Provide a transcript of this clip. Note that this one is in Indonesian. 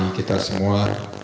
baik kita semua